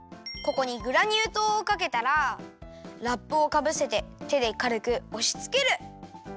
ここにグラニューとうをかけたらラップをかぶせててでかるくおしつける。